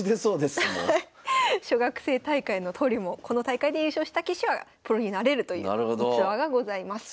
小学生大会の登竜門この大会で優勝した棋士はプロになれるという逸話がございます。